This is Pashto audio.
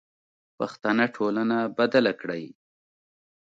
پښتنه ټولنه بدله کړئ.